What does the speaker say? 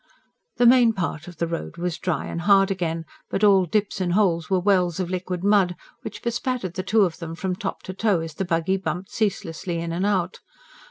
The main part of the road was dry and hard again; but all dips and holes were wells of liquid mud, which bespattered the two of them from top to toe as the buggy bumped carelessly in and out.